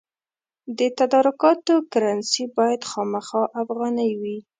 د تدارکاتو کرنسي باید خامخا افغانۍ وي.